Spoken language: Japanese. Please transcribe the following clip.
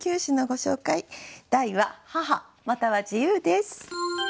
題は「母」または自由です。